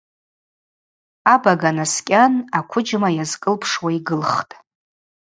Абага наскӏьан аквыджьма йгӏазкӏылпшуа йгылхтӏ.